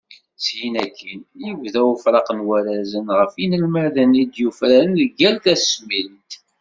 Syin akkin, yebda ufraq n warrazen ɣef yinelmaden i d-yufraren deg yal tasmilt.